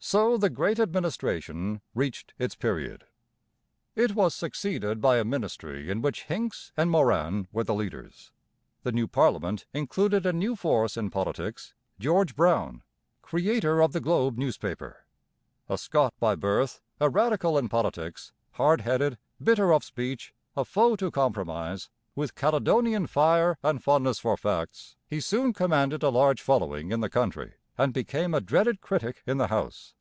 So the Great Administration reached its period. It was succeeded by a ministry in which Hincks and Morin were the leaders. The new parliament included a new force in politics, George Brown, creator of the Globe newspaper. A Scot by birth, a Radical in politics, hard headed, bitter of speech, a foe to compromise, with Caledonian fire and fondness for facts, he soon commanded a large following in the country and became a dreaded critic in the House.